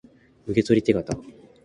受取手形